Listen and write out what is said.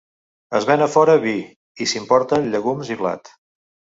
Es ven a fora vi, i s'importen llegums i blat.